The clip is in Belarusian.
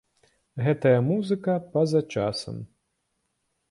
Гэтая музыка па-за часам!